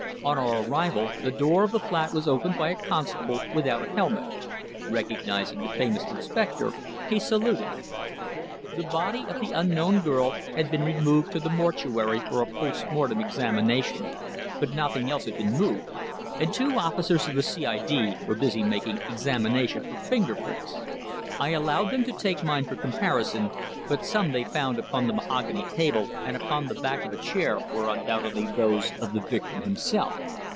On our arrival the door of the flat was opened by a constable without a helmet. Recognising the famous inspector, he saluted. The body of the unknown girl had been removed to the mortuary for a post mortem examination, but nothing else had been moved, and two officers of the C.I.D. were busy making examination for finger prints. I allowed them to take mine for comparison, but some they found upon the mahogany table and upon the back of a chair were undoubtedly those of the victim herself.